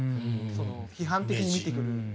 その批判的に見てくる。